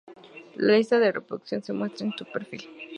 Las listas de reproducción se muestra en su perfil.